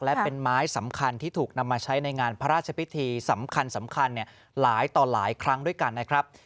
และเป็นไม้สำคัญที่ถูกนำมาใช้ในงานพระราชพิธีสำคัญหลายต่อหลายครั้งด้วยกันนะครับ